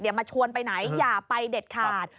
มาชวนไปไหนอย่าไปเด็ดขาด